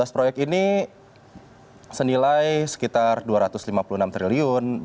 dua belas proyek ini senilai sekitar rp dua ratus lima puluh enam triliun